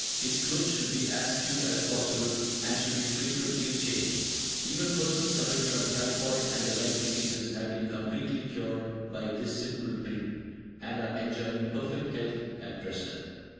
His clothes should be as few as possible, and should be frequently changed. Even persons suffering from typhoid and the like diseases have been completely cured by this simple treatment, and are enjoying perfect health at present.